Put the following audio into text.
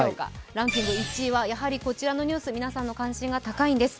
ランキング１位はこちらのニュース皆さんの関心が高いんです。